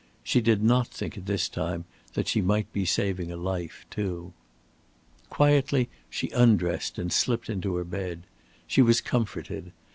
She did not think at this time that she might be saving a life too. Quietly she undressed and slipped into her bed. She was comforted.